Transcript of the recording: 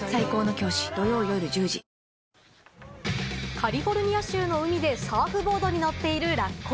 カリフォルニア州の海でサーフボードに乗っているラッコ。